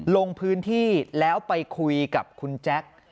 ลงพื้นที่แล้วไปคุยกับคุณแจ๊ค